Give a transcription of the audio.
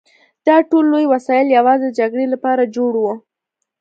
دا ټول لوی وسایل یوازې د جګړې لپاره جوړ وو